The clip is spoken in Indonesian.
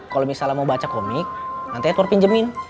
kalau misalnya mau baca komik nanti edward pinjemin